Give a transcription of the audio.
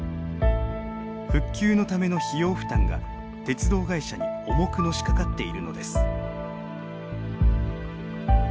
復旧のための費用負担が鉄道会社に重くのしかかっているのです。